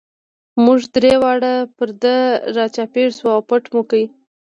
موږ درې واړه پر ده را چاپېر شو او پټ مو کړ.